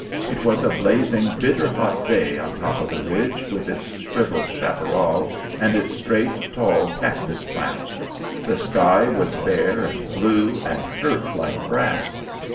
It was a blazing, bitter hot day on top of the ridge with its shrivelled chaparral and its straight, tall cactus plants. The sky was bare and blue, and hurt like brass.